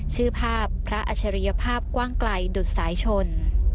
ชื่อภาพพระอัจฉริยภาพกว้างไกลดุดสายชน